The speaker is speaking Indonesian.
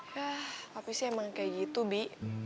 yah tapi sih emang kayak gitu be